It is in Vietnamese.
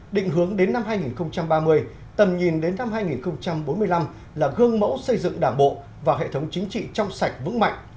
định hướng đến năm hai nghìn ba mươi tầm nhìn đến năm hai nghìn bốn mươi năm là gương mẫu xây dựng đảng bộ và hệ thống chính trị trong sạch vững mạnh